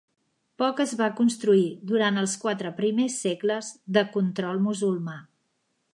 Poc es va construir durant els quatre primers segles de control musulmà.